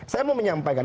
saya mau menyampaikan